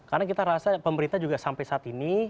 karena kita rasa pemerintah juga sampai saat ini